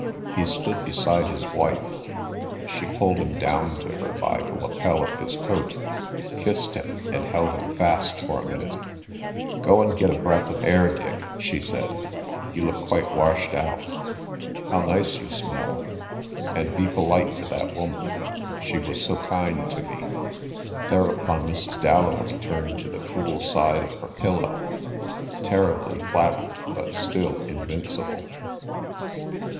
He stood beside his wife. She pulled him down to her by the lapel of his coat, kissed him, and held him fast for a minute. "Go and get a breath of air, Dick," she said. "You look quite washed out. ... How nice you smell! ... And be polite to that woman. She was so kind to me." Thereupon Mrs. Dalloway turned to the cool side of her pillow, terribly flattened but still invincible.